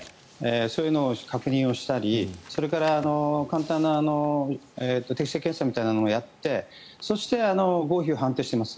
そういうのを確認をしたりそれから簡単な適性検査みたいなのをやってそして、合否を判定しています。